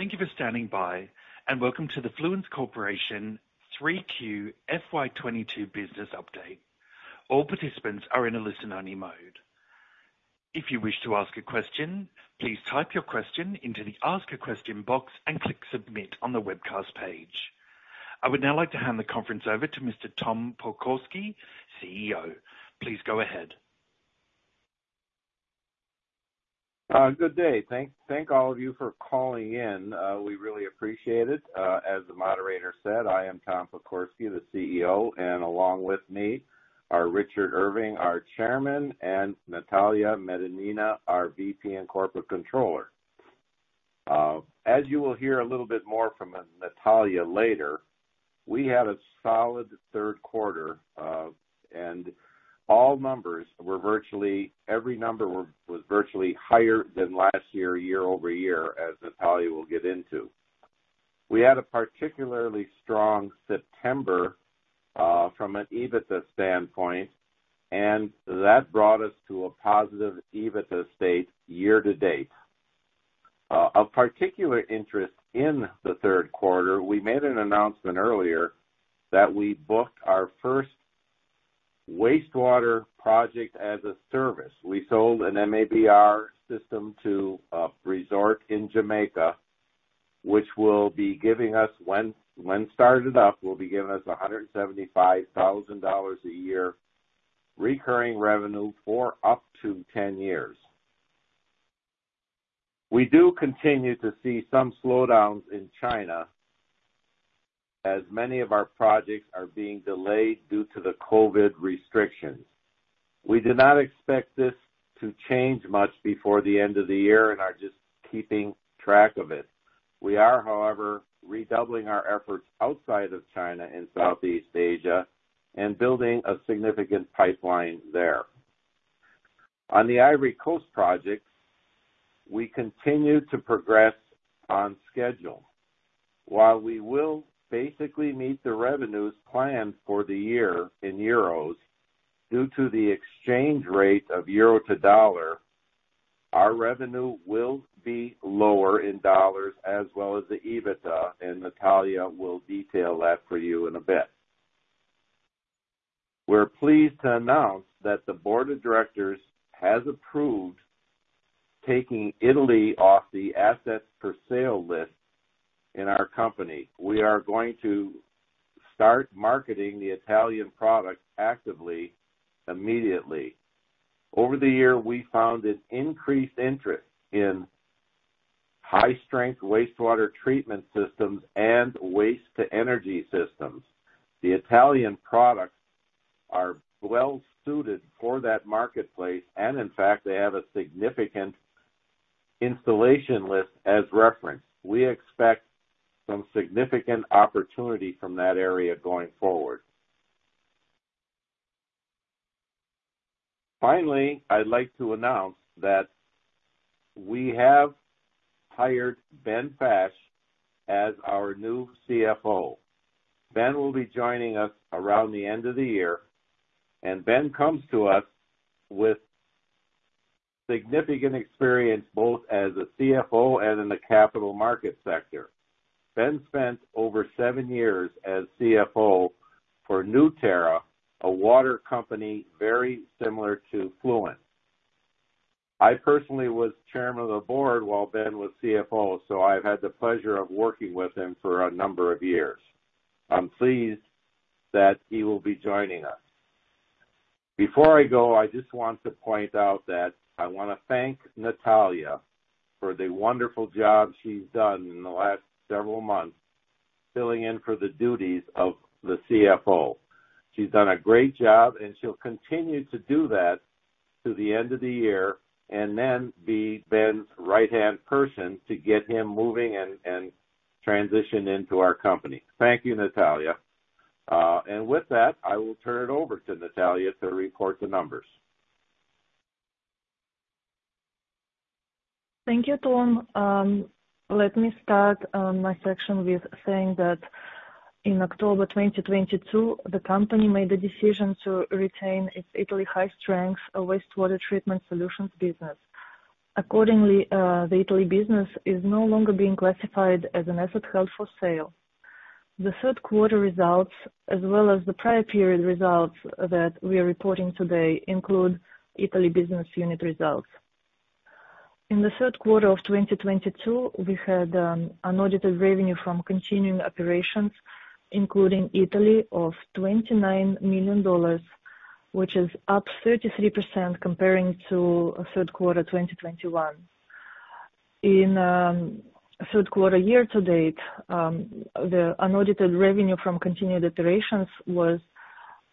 Thank you for standing by and welcome to the Fluence Corporation 3Q FY22 business update. All participants are in a listen-only mode. If you wish to ask a question, please type your question into the Ask a Question box and click Submit on the webcast page. I would now like to hand the conference over to Mr. Tom Pokorsky, CEO. Please go ahead. Good day. Thank all of you for calling in. We really appreciate it. As the moderator said, I am Tom Pokorsky, the CEO, and along with me are Richard Irving, our Chairman, and Natalya Medinina, our VP and Corporate Controller. As you will hear a little bit more from Natalya later, we had a solid third quarter, and virtually every number was higher than last year year-over-year, as Natalya will get into. We had a particularly strong September from an EBITDA standpoint, and that brought us to a positive EBITDA state year-to-date. Of particular interest in the third quarter, we made an announcement earlier that we booked our first wastewater project as a service. We sold an MABR system to a resort in Jamaica, which will be giving us, when started up, $175,000 a year recurring revenue for up to 10 years. We do continue to see some slowdowns in China, as many of our projects are being delayed due to the COVID restrictions. We do not expect this to change much before the end of the year and are just keeping track of it. We are, however, redoubling our efforts outside of China and Southeast Asia and building a significant pipeline there. On the Ivory Coast project, we continue to progress on schedule. While we will basically meet the revenues planned for the year in euros, due to the exchange rate of euro to dollar, our revenue will be lower in dollars as well as the EBITDA, and Natalya will detail that for you in a bit. We're pleased to announce that the board of directors has approved taking Italian assets off the for-sale list in our company. We are going to start marketing the Italian products actively, immediately. Over the year, we found an increased interest in high strength wastewater treatment systems and waste to energy systems. The Italian products are well suited for that marketplace, and in fact, they have a significant installation list as reference. We expect some significant opportunity from that area going forward. Finally, I'd like to announce that we have hired Ben Fash as our new CFO. Ben will be joining us around the end of the year, and Ben comes to us with significant experience both as a CFO and in the capital market sector. Ben spent over seven years as CFO for Newterra, a water company very similar to Fluence. I personally was chairman of the board while Ben was CFO, so I've had the pleasure of working with him for a number of years. I'm pleased that he will be joining us. Before I go, I just want to point out that I wanna thank Natalya for the wonderful job she's done in the last several months, filling in for the duties of the CFO. She's done a great job, and she'll continue to do that through the end of the year and then be Ben's right-hand person to get him moving and transitioned into our company. Thank you, Natalya. With that, I will turn it over to Natalya to report the numbers. Thank you, Tom. Let me start my section with saying that in October 2022, the company made the decision to retain its Italy high strength wastewater treatment solutions business. Accordingly, the Italy business is no longer being classified as an asset held for sale. The third quarter results, as well as the prior period results that we are reporting today, include Italy business unit results. In the third quarter of 2022, we had unaudited revenue from continuing operations, including Italy, of $29 million, which is up 33% comparing to third quarter 2021. In third quarter year to date, the unaudited revenue from continuing operations was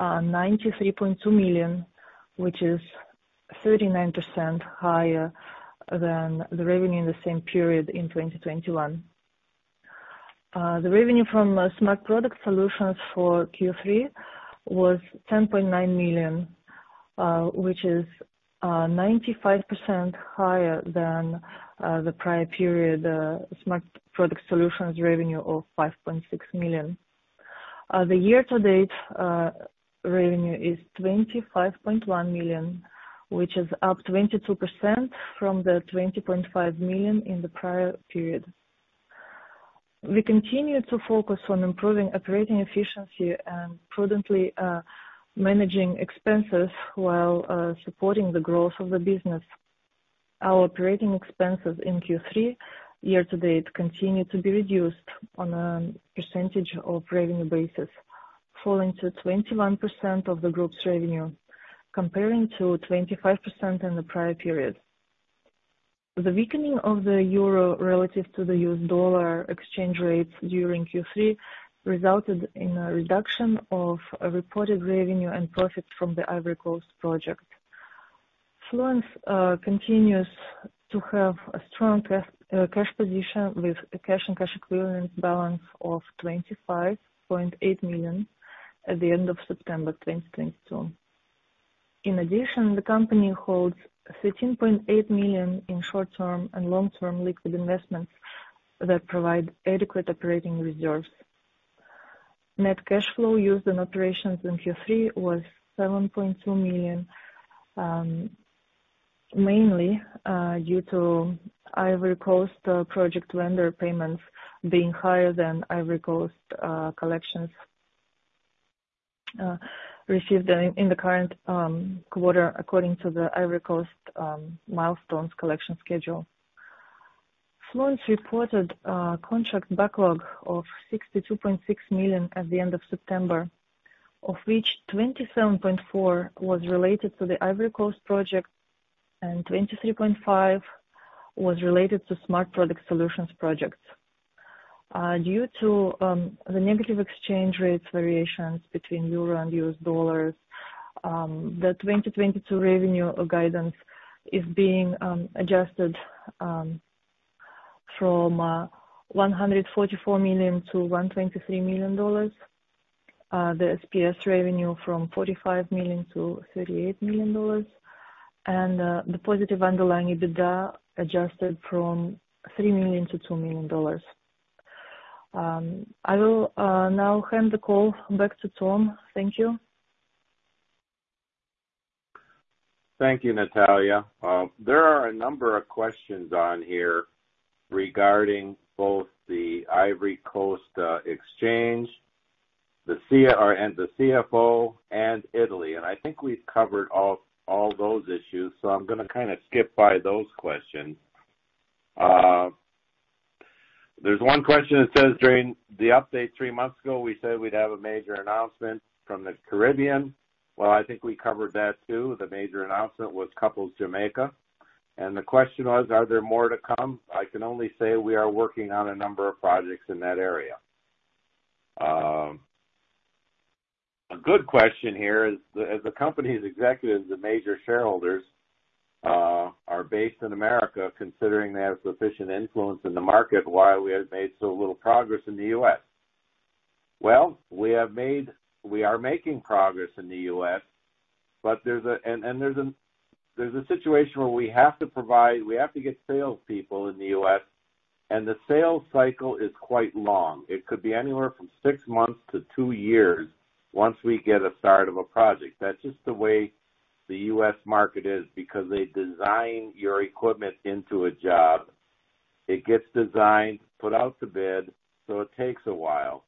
$93.2 million, which is 39% higher than the revenue in the same period in 2021. The revenue from Smart Product Solutions for Q3 was $10.9 million, which is 95% higher than the prior period Smart Product Solutions revenue of $5.6 million. The year-to-date revenue is $25.1 million, which is up 22% from the $20.5 million in the prior period. We continue to focus on improving operating efficiency and prudently managing expenses while supporting the growth of the business. Our operating expenses in Q3 year to date continue to be reduced on a percentage of revenue basis, falling to 21% of the group's revenue comparing to 25% in the prior period. The weakening of the euro relative to the US dollar exchange rates during Q3 resulted in a reduction of a reported revenue and profit from the Ivory Coast project. Fluence continues to have a strong cash position with a cash and cash equivalent balance of $25.8 million at the end of September 2022. In addition, the company holds $13.8 million in short-term and long-term liquid investments that provide adequate operating reserves. Net cash flow used in operations in Q3 was $7.2 million. Mainly due to Ivory Coast project lender payments being higher than Ivory Coast collections received in the current quarter according to the Ivory Coast milestones collection schedule. Fluence reported contract backlog of $62.6 million at the end of September, of which $27.4 was related to the Ivory Coast project and $23.5 was related to Smart Products Solutions projects. Due to the negative exchange rates variations between euro and US dollars, the 2022 revenue guidance is being adjusted from $144 million to $123 million. The SPS revenue from $45 million to $38 million. The positive underlying EBITDA adjusted from $3 million to $2 million. I will now hand the call back to Tom. Thank you. Thank you, Natalya. There are a number of questions on here regarding both the Ivory Coast exchange and the CFO and Italy. I think we've covered all those issues, so I'm gonna kinda skip by those questions. There's one question that says during the update three months ago, we said we'd have a major announcement from the Caribbean. Well, I think we covered that, too. The major announcement was Couples Resorts. The question was, are there more to come? I can only say we are working on a number of projects in that area. A good question here is, as the company's executives and major shareholders are based in America, considering they have sufficient influence in the market, why we have made so little progress in the U.S.? Well, we are making progress in the U.S., but there's a situation where we have to get salespeople in the U.S., and the sales cycle is quite long. It could be anywhere from six months to two years once we get a start of a project. That's just the way the U.S. market is because they design your equipment into a job. It gets designed, put out to bid, so it takes a while.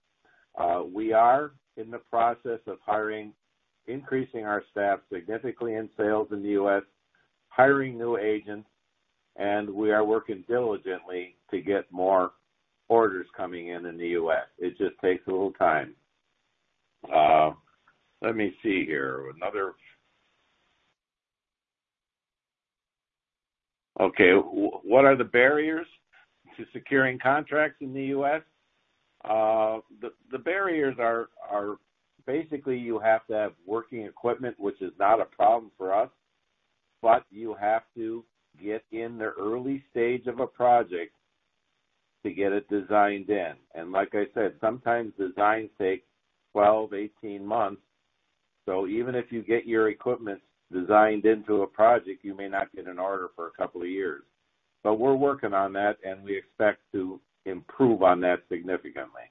We are in the process of hiring, increasing our staff significantly in sales in the U.S., hiring new agents, and we are working diligently to get more orders coming in in the U.S. It just takes a little time. Let me see here. What are the barriers to securing contracts in the U.S.? The barriers are basically you have to have working equipment, which is not a problem for us, but you have to get in the early stage of a project to get it designed in. Like I said, sometimes designs take 12, 18 months, so even if you get your equipment designed into a project, you may not get an order for a couple of years. We're working on that and we expect to improve on that significantly.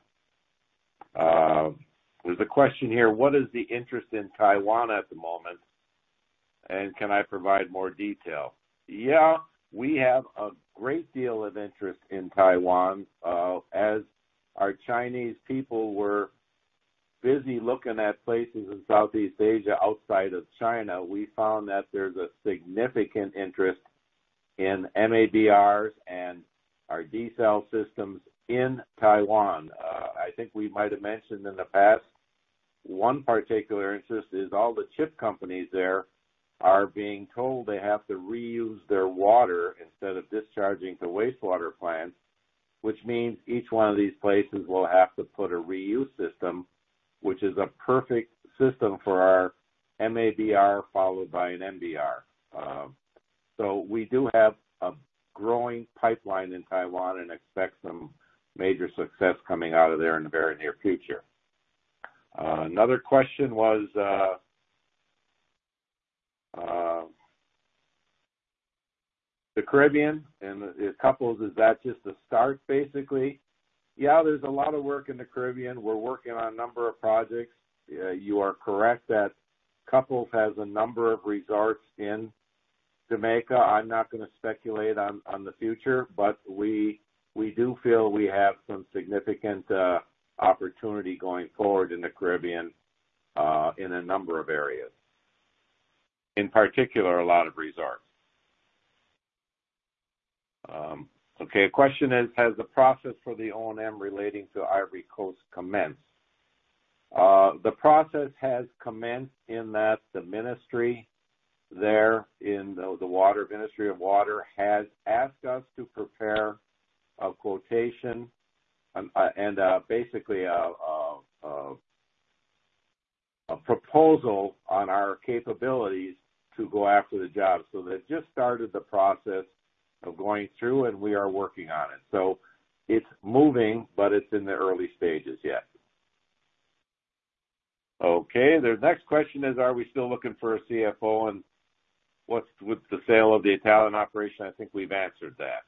There's a question here, what is the interest in Taiwan at the moment, and can I provide more detail? Yeah, we have a great deal of interest in Taiwan. As our Chinese people were busy looking at places in Southeast Asia outside of China, we found that there's a significant interest in MABRs and our desal systems in Taiwan. I think we might have mentioned in the past, one particular interest is all the chip companies there are being told they have to reuse their water instead of discharging to wastewater plants, which means each one of these places will have to put a reuse system, which is a perfect system for our MABR followed by an MBR. So we do have a growing pipeline in Taiwan and expect some major success coming out of there in the very near future. Another question was, The Caribbean and the Couples, is that just a start, basically? Yeah, there's a lot of work in the Caribbean. We're working on a number of projects. You are correct that Couples has a number of resorts in Jamaica. I'm not gonna speculate on the future, but we do feel we have some significant opportunity going forward in the Caribbean, in a number of areas. In particular, a lot of resorts. Okay, a question is. Has the process for the O&M relating to Ivory Coast commenced? The process has commenced in that the ministry there in the Ministry of Hydraulics has asked us to prepare a quotation and basically a proposal on our capabilities to go after the job. So they've just started the process of going through and we are working on it. So it's moving, but it's in the early stages, yeah. Okay, the next question is. Are we still looking for a CFO and what's with the sale of the Italian operation? I think we've answered that.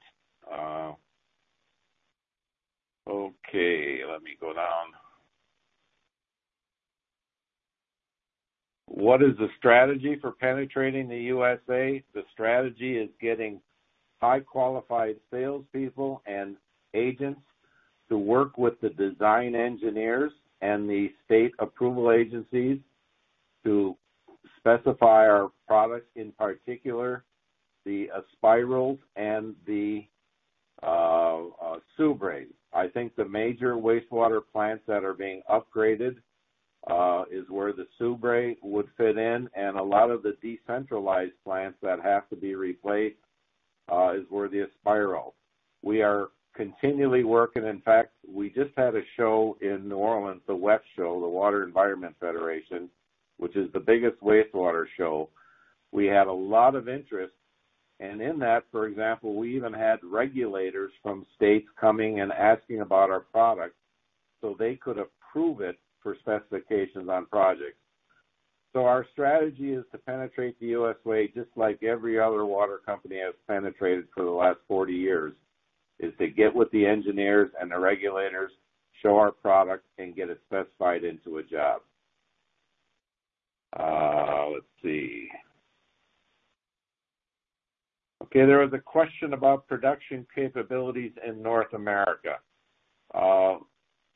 Okay, let me go down. What is the strategy for penetrating the USA? The strategy is getting high qualified salespeople and agents to work with the design engineers and the state approval agencies to specify our products, in particular, the Aspiral and the SUBRE. I think the major wastewater plants that are being upgraded is where the SUBRE would fit in, and a lot of the decentralized plants that have to be replaced is where the Aspiral. We are continually working. In fact, we just had a show in New Orleans, the WEF show, the Water Environment Federation, which is the biggest wastewater show. We had a lot of interest. In that, for example, we even had regulators from states coming and asking about our product so they could approve it for specifications on projects. Our strategy is to penetrate the USA just like every other water company has penetrated for the last 40 years, is to get with the engineers and the regulators, show our product and get it specified into a job. There was a question about production capabilities in North America.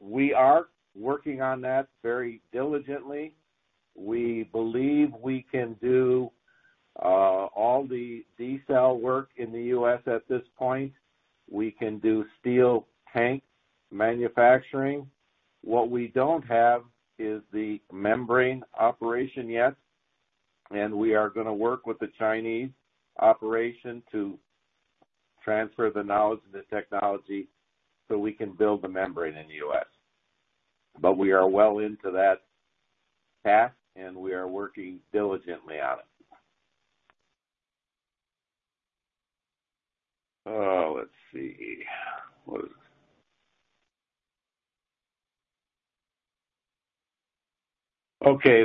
We are working on that very diligently. We believe we can do all the desal work in the U.S at this point. We can do steel tank manufacturing. What we don't have is the membrane operation yet, and we are gonna work with the Chinese operation to transfer the knowledge and the technology so we can build the membrane in the U.S. We are well into that path and we are working diligently on it.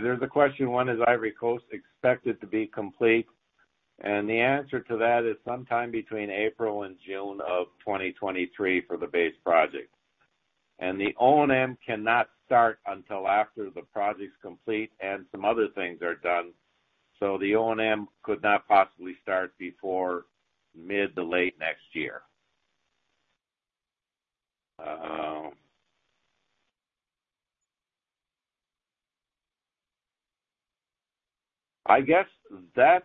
There's a question. When is Ivory Coast expected to be complete? The answer to that is sometime between April and June of 2023 for the base project. The O&M cannot start until after the project's complete and some other things are done. The O&M could not possibly start before mid to late next year. I guess that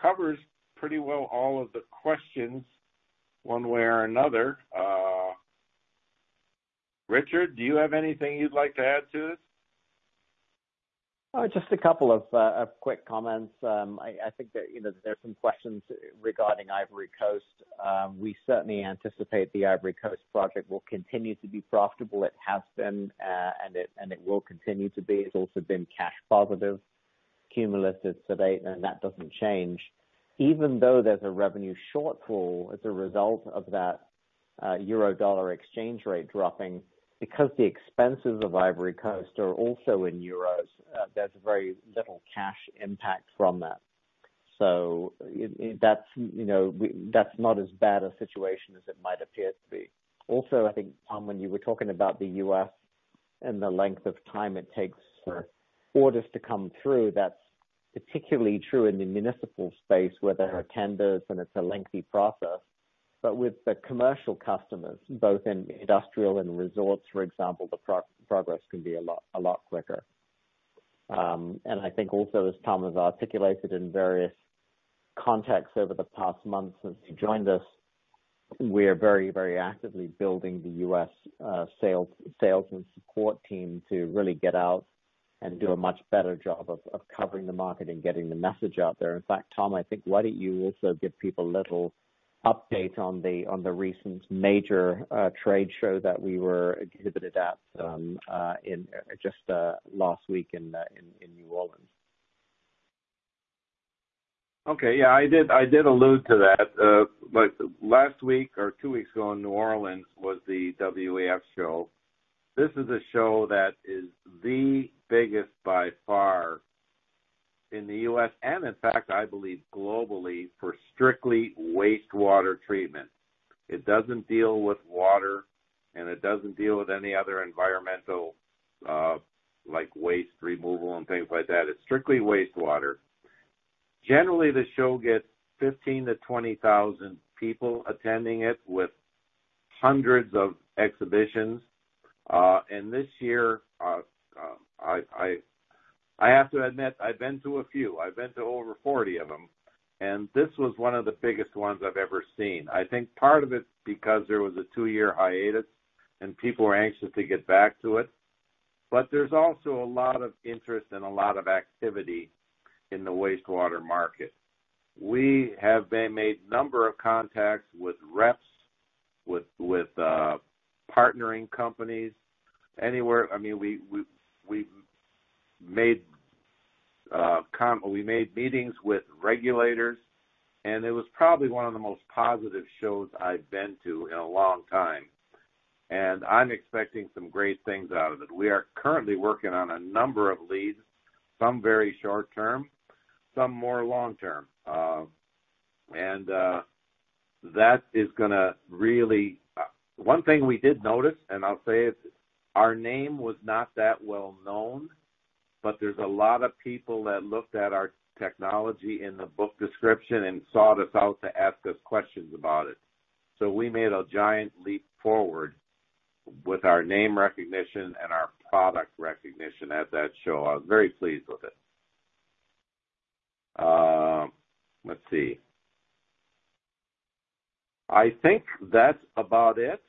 covers pretty well all of the questions one way or another. Richard, do you have anything you'd like to add to this? Just a couple of quick comments. I think that, you know, there's some questions regarding Ivory Coast. We certainly anticipate the Ivory Coast project will continue to be profitable. It has been, and it will continue to be. It's also been cash positive, cumulative to date, and that doesn't change. Even though there's a revenue shortfall as a result of that euro-dollar exchange rate dropping, because the expenses of Ivory Coast are also in euros, there's very little cash impact from that. That's, you know, that's not as bad a situation as it might appear to be. Also, I think, Tom, when you were talking about the U.S. and the length of time it takes for orders to come through, that's particularly true in the municipal space where there are tenders and it's a lengthy process. With the commercial customers, both in industrial and resorts, for example, the progress can be a lot quicker. I think also as Tom has articulated in various contexts over the past months since he joined us, we're very actively building the U.S. sales and support team to really get out and do a much better job of covering the market and getting the message out there. In fact, Tom, I think why don't you also give people a little update on the recent major trade show that we were exhibited at, just last week in New Orleans. Okay. Yeah. I did allude to that. Last week or two weeks ago in New Orleans was the WEF show. This is a show that is the biggest by far in the U.S. and in fact, I believe globally for strictly wastewater treatment. It doesn't deal with water, and it doesn't deal with any other environmental, like waste removal and things like that. It's strictly wastewater. Generally, the show gets 15,000-20,000 people attending it with hundreds of exhibitions. This year, I have to admit, I've been to a few. I've been to over 40 of them, and this was one of the biggest ones I've ever seen. I think part of it's because there was a two-year hiatus and people were anxious to get back to it. There's also a lot of interest and a lot of activity in the wastewater market. We have made a number of contacts with reps, with partnering companies anywhere. I mean, we made meetings with regulators, and it was probably one of the most positive shows I've been to in a long time. I'm expecting some great things out of it. We are currently working on a number of leads, some very short-term, some more long-term, and that is gonna really. One thing we did notice, and I'll say it, our name was not that well-known, but there's a lot of people that looked at our technology in the book description and sought us out to ask us questions about it. We made a giant leap forward with our name recognition and our product recognition at that show.I was very pleased with it. Let's see. I think that's about it.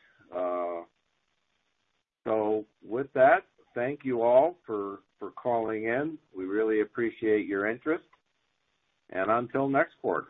So with that, thank you all for calling in. We really appreciate your interest. Until next quarter.